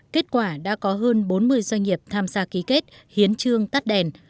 kết quả đã có hơn bốn mươi doanh nghiệp tham gia ký kết hiến trương tắt đèn